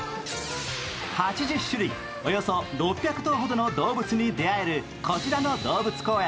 ８０種類、およそ６００頭ほどの動物に出会えるこちらの動物公園。